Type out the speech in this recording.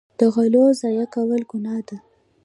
د غلو ضایع کول ګناه ده.